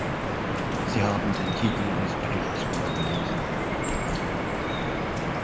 Sie haben den Titel des Berichts vorgelesen.